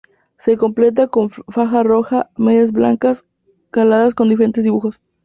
Se complementa con faja roja, medias blancas caladas con diferentes dibujos.